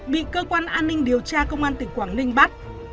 bị cơ quan an ninh điều tra công an tỉnh quảng ninh bắt